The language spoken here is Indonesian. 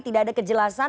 tidak ada kejelasan